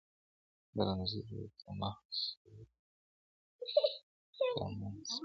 د رنځونو ورته مخ صورت پمن سو؛